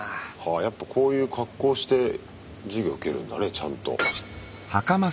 やっぱこういう格好をして授業受けるんだねちゃんと。